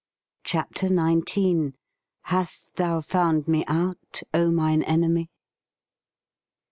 CHAPTER XIX. 'hast TH017 FOUND ME OUT, O MINE ENEMY?'